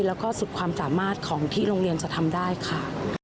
แล้วก็สุดความสามารถของที่โรงเรียนจะทำได้ค่ะ